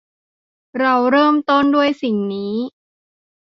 เราเริ่มต้นด้วยสิ่งนี้